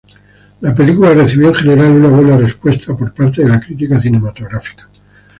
La película recibió en general una buena respuesta por parte de la crítica cinematográfica.